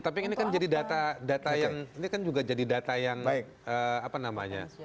tapi ini kan jadi data yang ini kan juga jadi data yang apa namanya